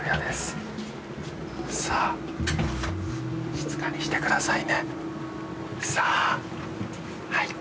静かにしてください